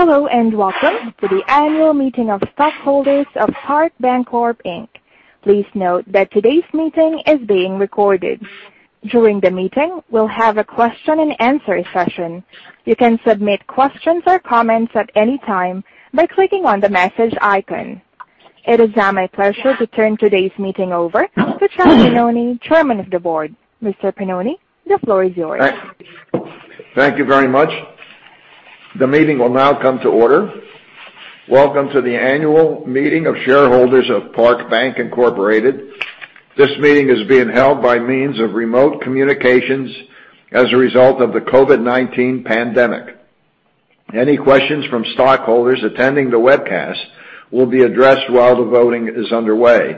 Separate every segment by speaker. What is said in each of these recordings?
Speaker 1: Hello, welcome to the annual meeting of stockholders of Parke Bancorp, Inc. Please note that today's meeting is being recorded. During the meeting, we'll have a question and answer session. You can submit questions or comments at any time by clicking on the message icon. It is now my pleasure to turn today's meeting over to Chuck Pennoni, Chairman of the Board. Mr. Pennoni, the floor is yours.
Speaker 2: Thank you very much. The meeting will now come to order. Welcome to the annual meeting of shareholders of Parke Bank Incorporated. This meeting is being held by means of remote communications as a result of the COVID-19 pandemic. Any questions from stockholders attending the webcast will be addressed while the voting is underway.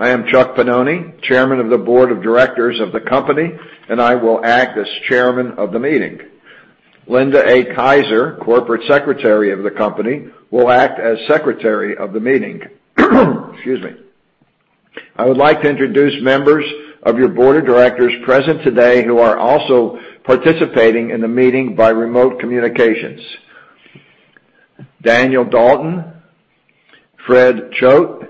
Speaker 2: I am Chuck Pennoni, Chairman of the Board of Directors of the company, and I will act as Chairman of the meeting. Linda A. Kaiser, Corporate Secretary of the company, will act as Secretary of the meeting. Excuse me. I would like to introduce members of your Board of Directors present today who are also participating in the meeting by remote communications. Daniel Dalton, Fred Choate,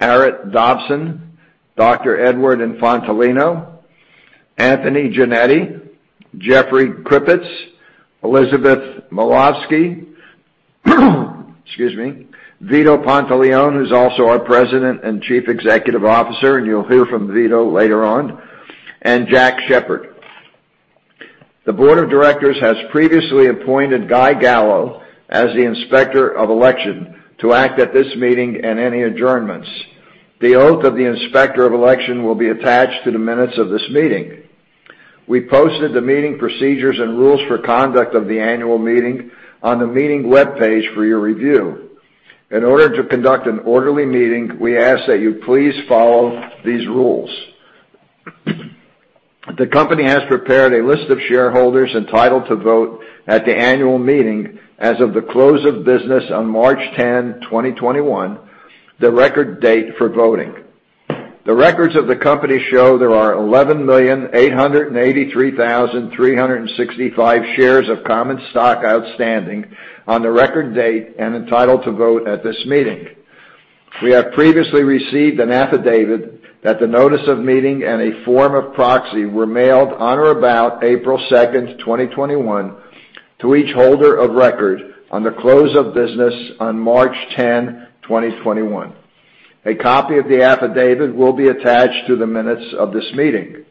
Speaker 2: Arret Dobson, Dr. Edward Infantolino, Anthony Jannetti, Jeffrey Kripitz, Elizabeth Milavsky. Excuse me. Vito Pantilione, who's also our President and Chief Executive Officer, and you'll hear from Vito later on, and Jack Sheppard. The Board of Directors has previously appointed Guy Gallo as the Inspector of Election to act at this meeting and any adjournments. The oath of the Inspector of Election will be attached to the minutes of this meeting. We posted the meeting procedures and rules for conduct of the annual meeting on the meeting webpage for your review. In order to conduct an orderly meeting, we ask that you please follow these rules. The company has prepared a list of shareholders entitled to vote at the annual meeting as of the close of business on March 10, 2021, the record date for voting. The records of the company show there are 11,883,365 shares of common stock outstanding on the record date and entitled to vote at this meeting. We have previously received an affidavit that the notice of meeting and a form of proxy were mailed on or about April 2, 2021, to each holder of record on the close of business on March 10, 2021. A copy of the affidavit will be attached to the minutes of this meeting.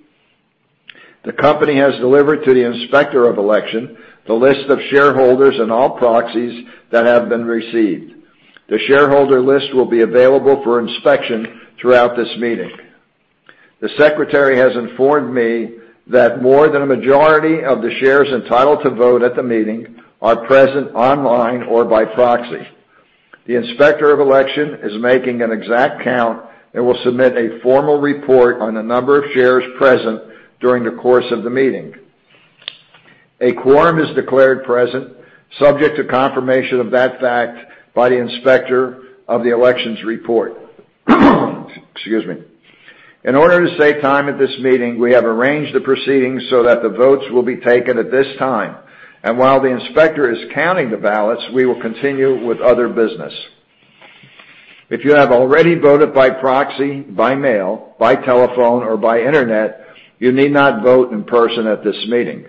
Speaker 2: The company has delivered to the Inspector of Election the list of shareholders and all proxies that have been received. The shareholder list will be available for inspection throughout this meeting. The secretary has informed me that more than a majority of the shares entitled to vote at the meeting are present online or by proxy. The Inspector of Election is making an exact count and will submit a formal report on the number of shares present during the course of the meeting. A quorum is declared present, subject to confirmation of that fact by the Inspector of the Elections report. Excuse me. In order to save time at this meeting, we have arranged the proceedings so that the votes will be taken at this time. While the inspector is counting the ballots, we will continue with other business. If you have already voted by proxy, by mail, by telephone, or by internet, you need not vote in person at this meeting.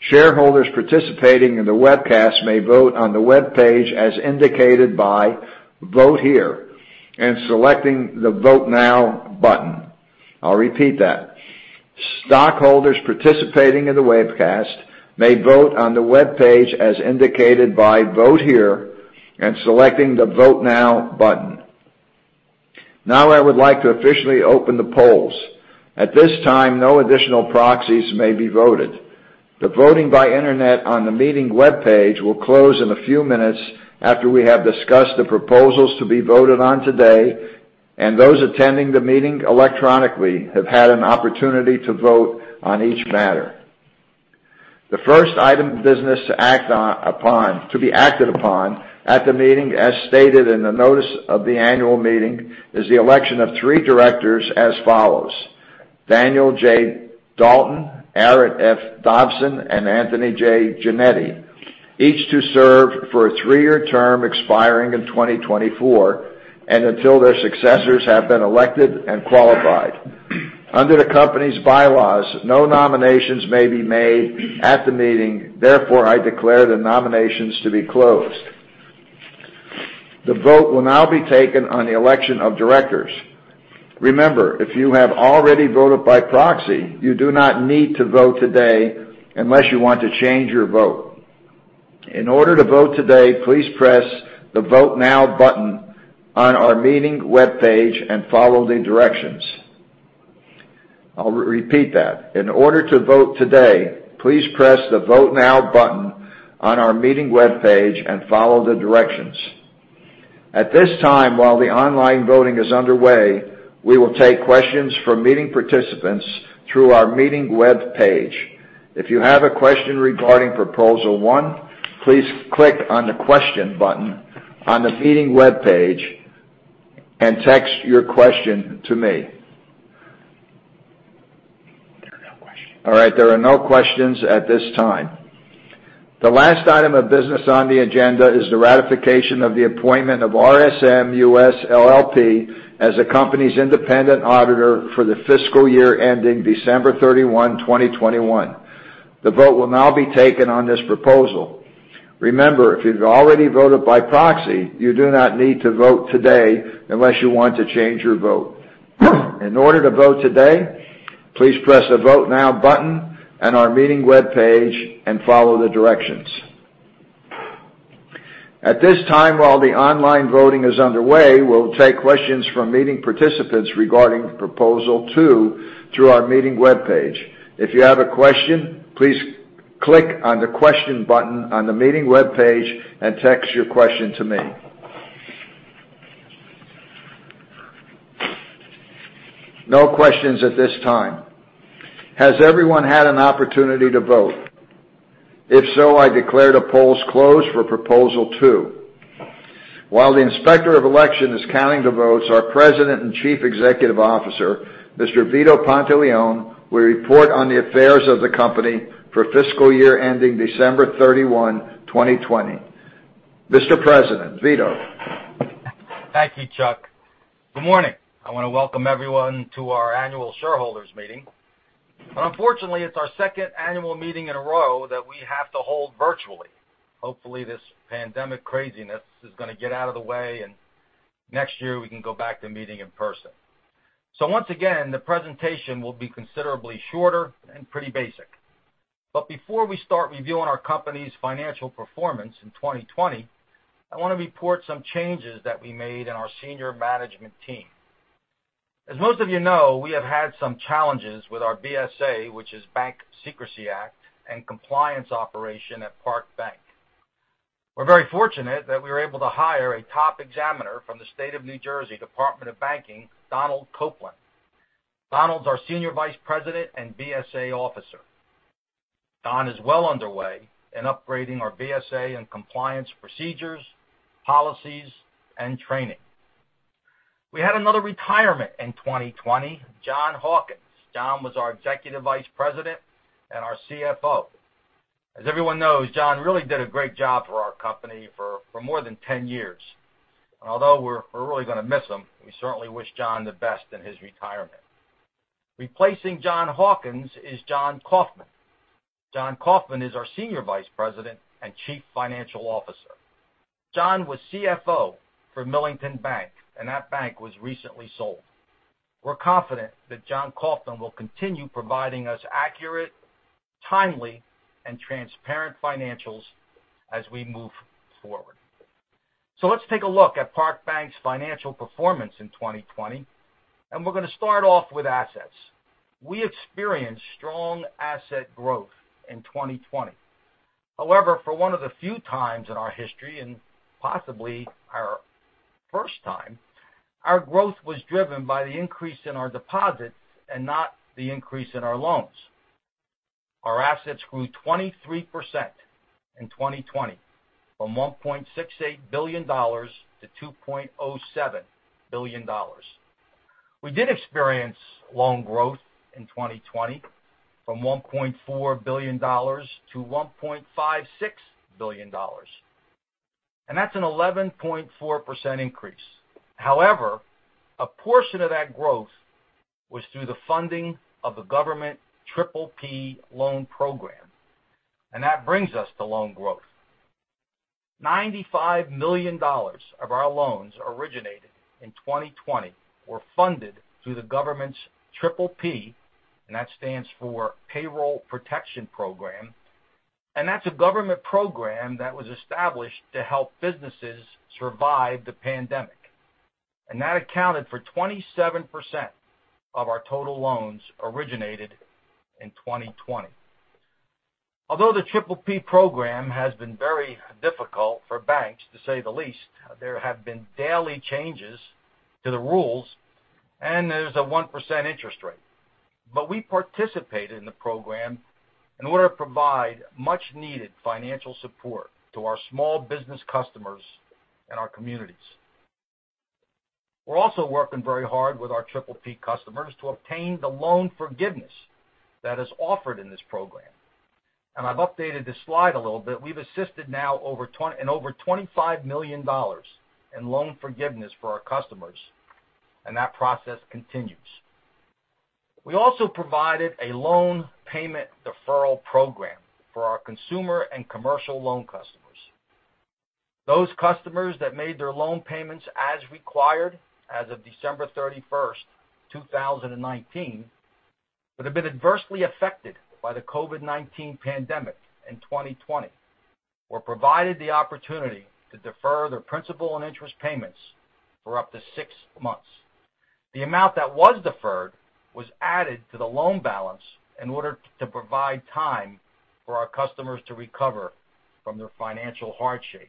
Speaker 2: Shareholders participating in the webcast may vote on the webpage as indicated by Vote Here and selecting the Vote Now button. I'll repeat that. Stockholders participating in the webcast may vote on the webpage as indicated by Vote Here and selecting the Vote Now button. I would like to officially open the polls. At this time, no additional proxies may be voted. The voting by internet on the meeting webpage will close in a few minutes after we have discussed the proposals to be voted on today, and those attending the meeting electronically have had an opportunity to vote on each matter. The first item of business to be acted upon at the meeting, as stated in the notice of the annual meeting, is the election of three Directors as follows: Daniel J. Dalton, Arret F. Dobson, and Anthony J. Jannetti, each to serve for a three-year term expiring in 2024 and until their successors have been elected and qualified. Under the company's bylaws, no nominations may be made at the meeting. Therefore, I declare the nominations to be closed. The vote will now be taken on the election of Directors. Remember, if you have already voted by proxy, you do not need to vote today unless you want to change your vote. In order to vote today, please press the Vote Now button on our meeting webpage and follow the directions. I'll repeat that. In order to vote today, please press the Vote Now button on our meeting webpage and follow the directions. At this time, while the online voting is underway, we will take questions from meeting participants through our meeting webpage. If you have a question regarding proposal one, please click on the question button on the meeting webpage and text your question to me. All right. There are no questions at this time. The last item of business on the agenda is the ratification of the appointment of RSM US LLP as the company's independent auditor for the fiscal year ending December 31, 2021. The vote will now be taken on this proposal. Remember, if you've already voted by proxy, you do not need to vote today unless you want to change your vote. In order to vote today, please press the Vote Now button on our meeting webpage and follow the directions. At this time, while the online voting is underway, we'll take questions from meeting participants regarding proposal two through our meeting webpage. If you have a question, please click on the question button on the meeting webpage and text your question to me. No questions at this time. Has everyone had an opportunity to vote? If so, I declare the polls closed for proposal two. While the Inspector of Election is counting the votes, our President and Chief Executive Officer, Mr. Vito Pantilione, will report on the affairs of the company for fiscal year ending December 31, 2020. Mr. President, Vito.
Speaker 3: Thank you, Chuck. Good morning? I want to welcome everyone to our annual shareholders meeting. Unfortunately, it's our second annual meeting in a row that we have to hold virtually. Hopefully, this pandemic craziness is going to get out of the way, and next year we can go back to meeting in person. Once again, the presentation will be considerably shorter and pretty basic. Before we start reviewing our company's financial performance in 2020, I want to report some changes that we made in our senior management team. As most of you know, we have had some challenges with our BSA, which is Bank Secrecy Act, and compliance operation at Parke Bank. We're very fortunate that we were able to hire a top examiner from the State of New Jersey Department of Banking, Donald Copeland. Donald's our Senior Vice President and BSA Officer. Donald Copeland is well underway in upgrading our BSA and compliance procedures, policies, and training. We had another retirement in 2020, John Hawkins. John was Executive Vice President and Chief Financial Officer. As everyone knows, John really did a great job for our company for more than 10 years. Although we're really going to miss him, we certainly wish John the best in his retirement. Replacing John Hawkins is John Kaufman. John Kaufman is our Senior Vice President and Chief Financial Officer. John was CFO for Millington Bank, and that bank was recently sold. We're confident that John Kaufman will continue providing us accurate, timely, and transparent financials as we move forward. Let's take a look at Parke Bank's financial performance in 2020, and we're going to start off with assets. We experienced strong asset growth in 2020. For one of the few times in our history, and possibly our first time, our growth was driven by the increase in our deposits and not the increase in our loans. Our assets grew 23% in 2020 from $1.68 billion to $2.07 billion. We did experience loan growth in 2020 from $1.4 billion to $1.56 billion, and that's an 11.4% increase. A portion of that growth was through the funding of the government PPP loan program, and that brings us to loan growth. $95 million of our loans originated in 2020 were funded through the government's PPP, and that stands for Paycheck Protection Program, and that's a government program that was established to help businesses survive the pandemic. That accounted for 27% of our total loans originated in 2020. Although the PPP program has been very difficult for banks, to say the least, there have been daily changes to the rules, and there's a 1% interest rate. We participated in the program in order to provide much needed financial support to our small business customers and our communities. We're also working very hard with our PPP customers to obtain the loan forgiveness that is offered in this program. I've updated this slide a little bit. We've assisted now in over $25 million in loan forgiveness for our customers, and that process continues. We also provided a loan payment deferral program for our consumer and commercial loan customers. Those customers that made their loan payments as required as of December 31, 2019, would have been adversely affected by the COVID-19 pandemic in 2020. We provided the opportunity to defer their principal and interest payments for up to six months. The amount that was deferred was added to the loan balance in order to provide time for our customers to recover from their financial hardship.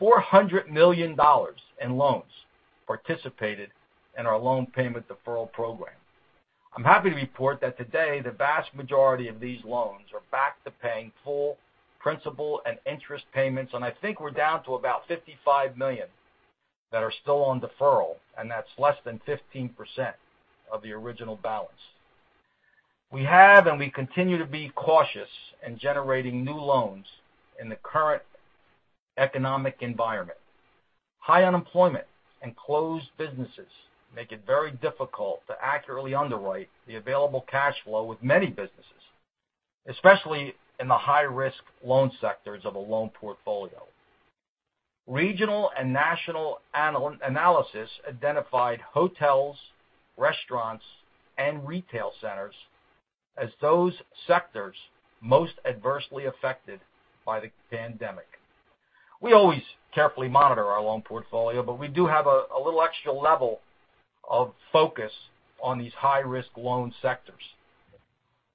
Speaker 3: $400 million in loans participated in our loan payment deferral program. I'm happy to report that today the vast majority of these loans are back to paying full principal and interest payments, and I think we're down to about $55 million that are still on deferral, and that's less than 15% of the original balance. We continue to be cautious in generating new loans in the current economic environment. High unemployment and closed businesses make it very difficult to accurately underwrite the available cash flow with many businesses, especially in the high-risk loan sectors of a loan portfolio. Regional and national analysis identified hotels, restaurants, and retail centers as those sectors most adversely affected by the pandemic. We always carefully monitor our loan portfolio, but we do have a little extra level of focus on these high-risk loan sectors.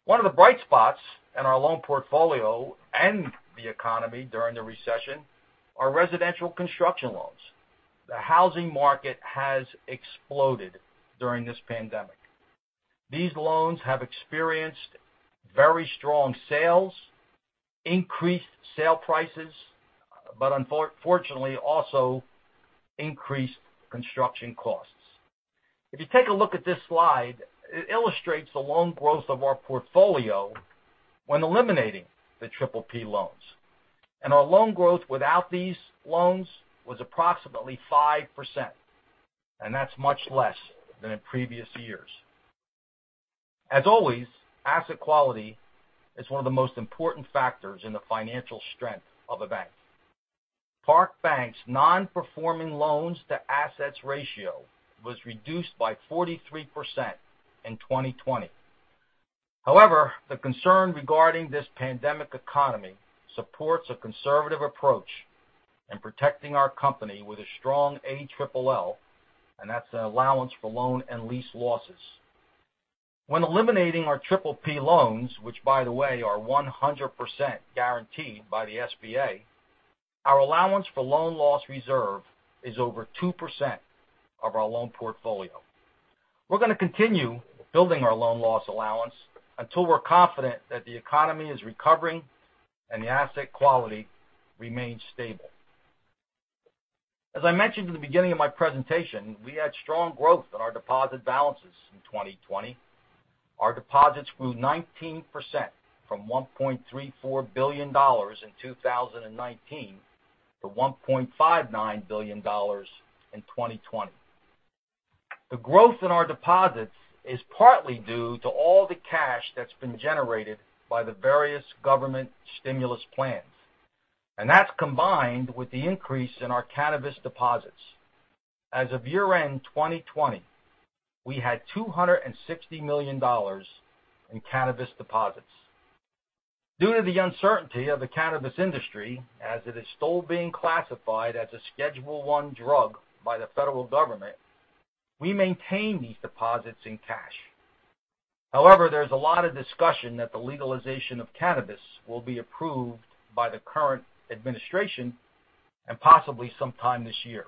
Speaker 3: One of the bright spots in our loan portfolio and the economy during the recession are residential construction loans. The housing market has exploded during this pandemic. These loans have experienced very strong sales, increased sale prices, but unfortunately also increased construction costs. If you take a look at this slide, it illustrates the loan growth of our portfolio when eliminating the PPP loans. Our loan growth without these loans was approximately 5%, and that's much less than in previous years. As always, asset quality is one of the most important factors in the financial strength of a bank. Parke Bank's non-performing loans to assets ratio was reduced by 43% in 2020. However, the concern regarding this pandemic economy supports a conservative approach in protecting our company with a strong ALLL, and that's an allowance for loan and lease losses. When eliminating our PPP loans, which by the way, are 100% guaranteed by the SBA, our allowance for loan loss reserve is over 2% of our loan portfolio. We're going to continue building our loan loss allowance until we're confident that the economy is recovering and the asset quality remains stable. As I mentioned at the beginning of my presentation, we had strong growth in our deposit balances in 2020. Our deposits grew 19%, from $1.34 billion in 2019 to $1.59 billion in 2020. The growth in our deposits is partly due to all the cash that's been generated by the various government stimulus plans. That's combined with the increase in our cannabis deposits. As of year-end 2020, we had $260 million in cannabis deposits. Due to the uncertainty of the cannabis industry, as it is still being classified as a Schedule I drug by the federal government, we maintain these deposits in cash. However, there's a lot of discussion that the legalization of cannabis will be approved by the current administration and possibly sometime this year.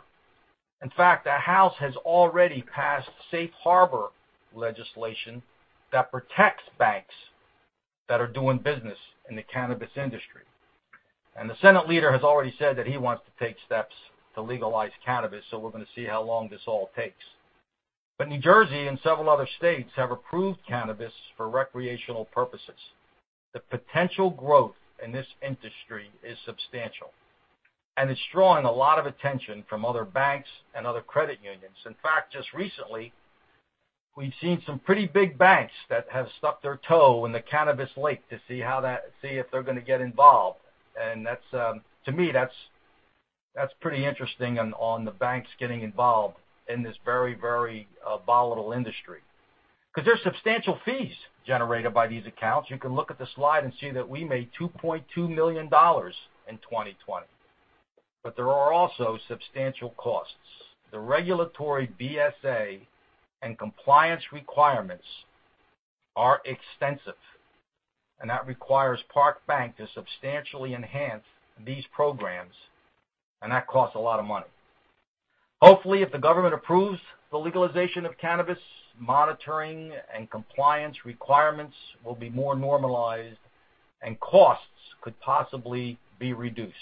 Speaker 3: In fact, the House has already passed safe harbor legislation that protects banks that are doing business in the cannabis industry. The Senate Leader has already said that he wants to take steps to legalize cannabis, so we're going to see how long this all takes. New Jersey and several other states have approved cannabis for recreational purposes. The potential growth in this industry is substantial, and it's drawing a lot of attention from other banks and other credit unions. In fact, just recently, we've seen some pretty big banks that have stuck their toe in the cannabis lake to see if they're going to get involved. To me, that's pretty interesting on the banks getting involved in this very, very volatile industry. Because there's substantial fees generated by these accounts. You can look at the slide and see that we made $2.2 million in 2020. There are also substantial costs. The regulatory BSA and compliance requirements are extensive, and that requires Parke Bank to substantially enhance these programs, and that costs a lot of money. Hopefully, if the government approves the legalization of cannabis, monitoring and compliance requirements will be more normalized and costs could possibly be reduced.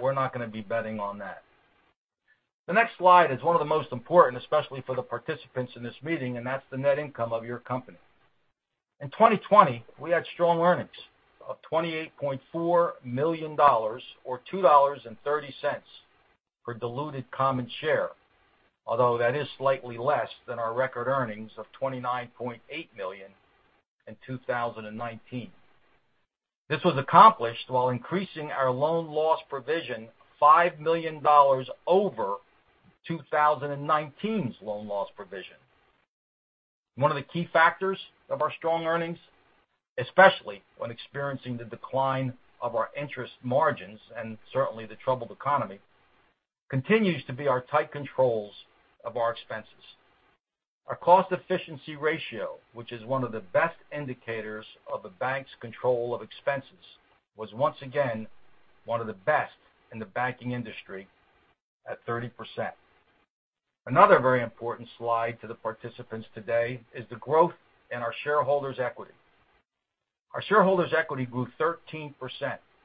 Speaker 3: We're not going to be betting on that. The next slide is one of the most important, especially for the participants in this meeting, and that's the net income of your company. In 2020, we had strong earnings of $28.4 million or $2.30 for diluted common share. Although that is slightly less than our record earnings of $29.8 million in 2019. This was accomplished while increasing our loan loss provision $5 million over 2019's loan loss provision. One of the key factors of our strong earnings, especially when experiencing the decline of our interest margins and certainly the troubled economy, continues to be our tight controls of our expenses. Our cost efficiency ratio, which is one of the best indicators of a bank's control of expenses, was once again one of the best in the banking industry at 30%. Another very important slide to the participants today is the growth in our shareholders' equity. Our shareholders' equity grew 13%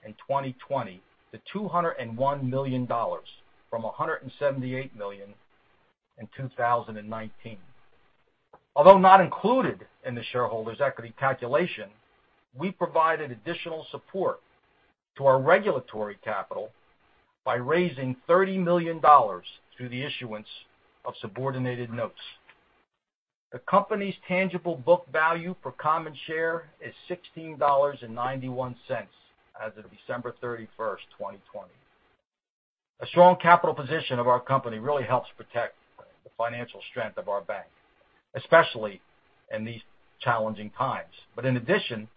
Speaker 3: in 2020 to $201 million from $178 million in 2019. Although not included in the shareholders' equity calculation, we provided additional support to our regulatory capital by raising $30 million through the issuance of subordinated notes. The company's tangible book value for common share is $16.91 as of December 31, 2020. A strong capital position of our company really helps protect the financial strength of our bank, especially in these challenging times. In addition,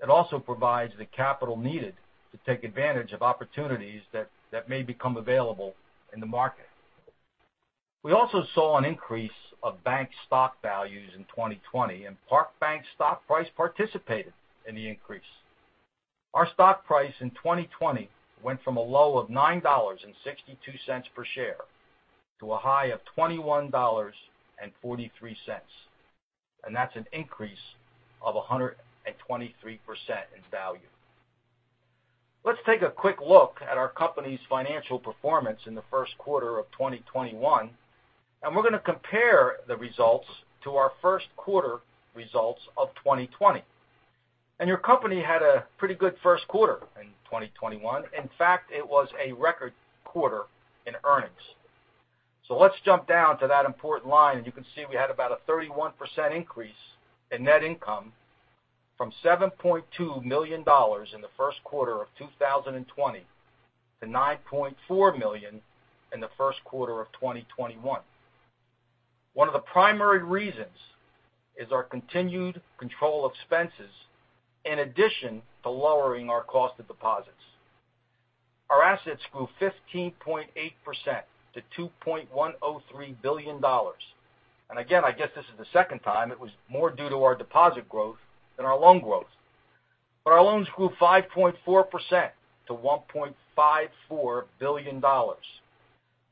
Speaker 3: it also provides the capital needed to take advantage of opportunities that may become available in the market. We also saw an increase of bank stock values in 2020, and Parke Bank's stock price participated in the increase. Our stock price in 2020 went from a low of $9.62 per share to a high of $21.43. That's an increase of 123% in value. Let's take a quick look at our company's financial performance in the first quarter of 2021, and we're going to compare the results to our first quarter results of 2020. Your company had a pretty good first quarter in 2021. In fact, it was a record quarter in earnings. Let's jump down to that important line, and you can see we had about a 31% increase in net income from $7.2 million in the first quarter of 2020 to $9.4 million in the first quarter of 2021. One of the primary reasons is our continued control expenses, in addition to lowering our cost of deposits. Our assets grew 15.8% to $2.103 billion. Again, I guess this is the second time it was more due to our deposit growth than our loan growth. Our loans grew 5.4% to $1.54 billion.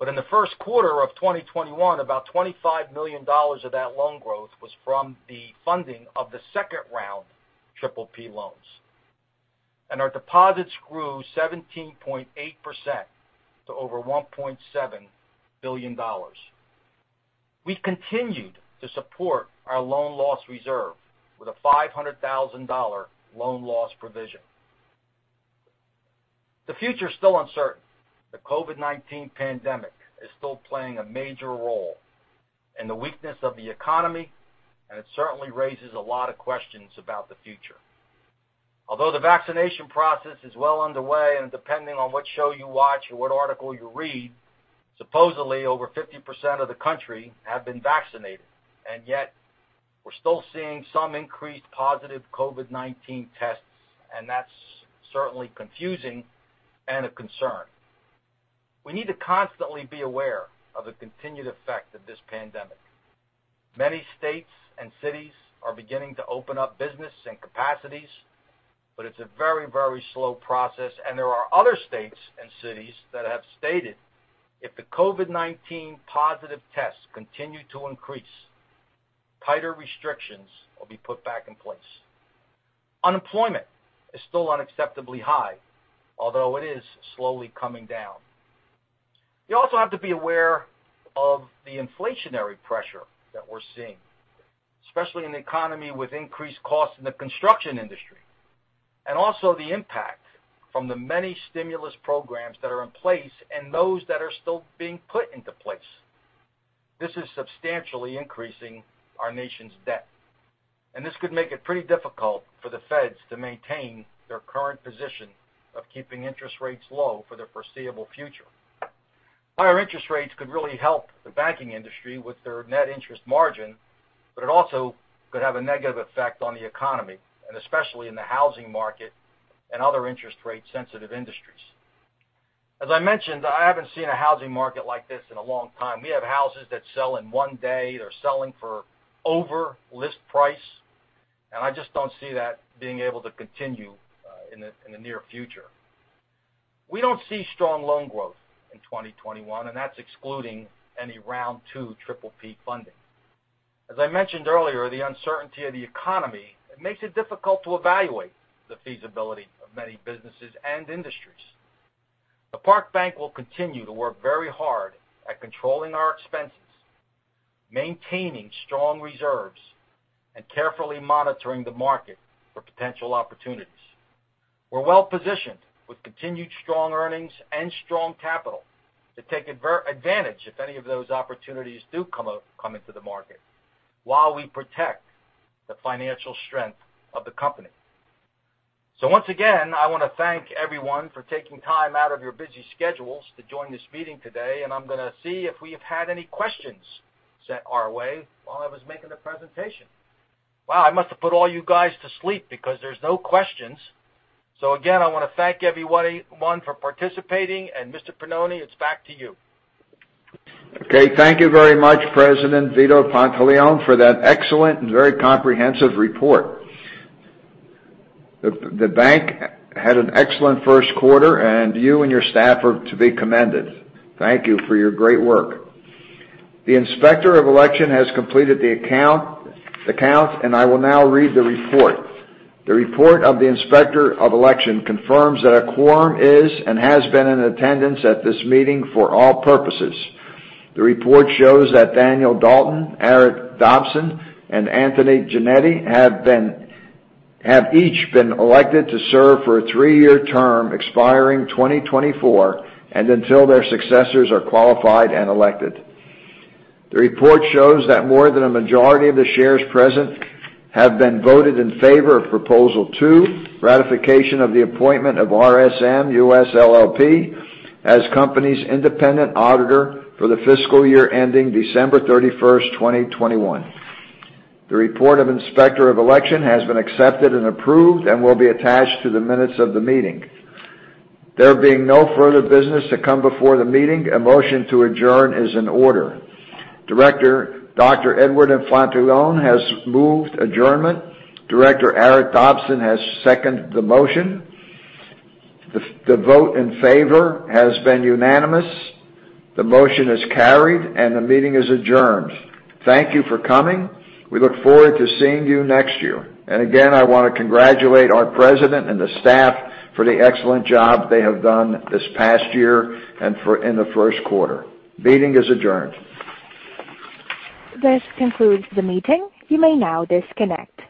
Speaker 3: In the first quarter of 2021, about $25 million of that loan growth was from the funding of the second round PPP loans. Our deposits grew 17.8% to over $1.7 billion. We continued to support our loan loss reserve with a $500,000 loan loss provision. The future's still uncertain. The COVID-19 pandemic is still playing a major role in the weakness of the economy, and it certainly raises a lot of questions about the future. Although the vaccination process is well underway, and depending on what show you watch or what article you read, supposedly over 50% of the country have been vaccinated, and yet we're still seeing some increased positive COVID-19 tests, and that's certainly confusing and a concern. We need to constantly be aware of the continued effect of this pandemic. Many states and cities are beginning to open up business and capacities, but it's a very slow process. There are other states and cities that have stated if the COVID-19 positive tests continue to increase, tighter restrictions will be put back in place. Unemployment is still unacceptably high, although it is slowly coming down. You also have to be aware of the inflationary pressure that we're seeing, especially in the economy with increased costs in the construction industry. Also the impact from the many stimulus programs that are in place and those that are still being put into place. This is substantially increasing our nation's debt. This could make it pretty difficult for the feds to maintain their current position of keeping interest rates low for the foreseeable future. Higher interest rates could really help the banking industry with their net interest margin, but it also could have a negative effect on the economy, and especially in the housing market and other interest rate sensitive industries. As I mentioned, I haven't seen a housing market like this in a long time. We have houses that sell in one day. They're selling for over list price. I just don't see that being able to continue in the near future. We don't see strong loan growth in 2021, and that's excluding any round two PPP funding. As I mentioned earlier, the uncertainty of the economy, it makes it difficult to evaluate the feasibility of many businesses and industries. Parke Bank will continue to work very hard at controlling our expenses, maintaining strong reserves, and carefully monitoring the market for potential opportunities. We're well-positioned with continued strong earnings and strong capital to take advantage if any of those opportunities do come into the market while we protect the financial strength of the company. Once again, I want to thank everyone for taking time out of your busy schedules to join this meeting today. I'm going to see if we've had any questions sent our way while I was making the presentation. Wow, I must have put all you guys to sleep because there's no questions. Again, I want to thank everyone for participating. Mr. Pennoni, it's back to you.
Speaker 2: Okay. Thank you very much, President Vito Pantilione, for that excellent and very comprehensive report. The bank had an excellent first quarter, and you and your staff are to be commended. Thank you for your great work. The Inspector of Election has completed the count, and I will now read the report. The report of the Inspector of Election confirms that a quorum is and has been in attendance at this meeting for all purposes. The report shows that Daniel Dalton, Arret Dobson, and Anthony Jannetti have each been elected to serve for a three-year term expiring 2024 and until their successors are qualified and elected. The report shows that more than a majority of the shares present have been voted in favor of Proposal 2, ratification of the appointment of RSM US LLP as company's Independent Auditor for the fiscal year ending December 31, 2021. The report of inspector of election has been accepted and approved and will be attached to the minutes of the meeting. There being no further business to come before the meeting, a motion to adjourn is in order. Director Dr. Edward Infantolino has moved adjournment. Director Arret Dobson has seconded the motion. The vote in favor has been unanimous. The motion is carried, and the meeting is adjourned. Thank you for coming. We look forward to seeing you next year. Again, I want to congratulate our president and the staff for the excellent job they have done this past year and in the first quarter. Meeting is adjourned.
Speaker 1: This concludes the meeting, you may now disconnect.